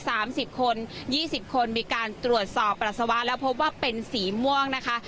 สามสิบคนยี่สิบคนมีการตรวจสอบปัสสาวะแล้วพบว่าเป็นสีม่วงนะคะ